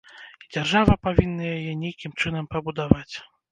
І дзяржава павінна яе нейкім чынам пабудаваць.